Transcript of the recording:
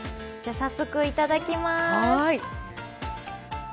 早速、いただきます。